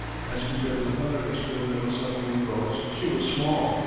As compared with other experimental submarine boats she was small.